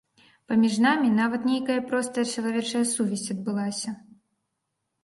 Паміж намі нават нейкая простая чалавечая сувязь адбылася.